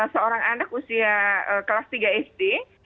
seorang anak usia kelas tiga sd